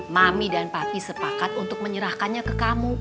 mami dan papi sepakat untuk menyerahkannya ke kamu